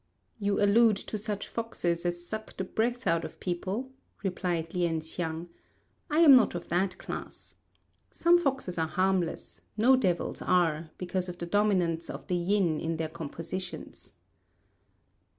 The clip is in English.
"You allude to such foxes as suck the breath out of people?" replied Lien hsiang; "I am not of that class. Some foxes are harmless; no devils are, because of the dominance of the yin in their compositions."